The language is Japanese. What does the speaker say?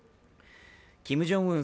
キム・ジョンウン